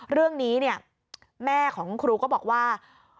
เรื่องนี้เนี่ยแม่ของครูก็บอกว่า